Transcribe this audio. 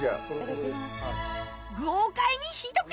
豪快にひと口！